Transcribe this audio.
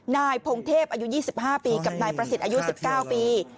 นายพงเทพอายุ๒๕ปีกับนายประสิทธิ์อายุ๑๙ปี